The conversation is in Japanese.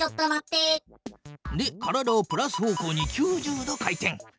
で体をプラス方向に９０度回転。